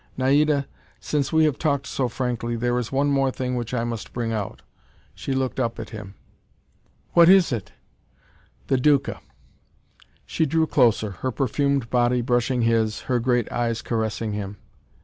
"Naida, since we have talked so frankly, there is one more thing which I must bring out." She looked up at him. "What is it?" "The Duca." She drew closer, her perfumed body brushing his, her great eyes caressing him.